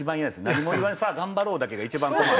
何も言わず「さあ頑張ろう」だけが一番困る。